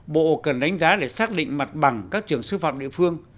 bộ cần đánh giá để xác định mặt bằng các trường sư phạm địa phương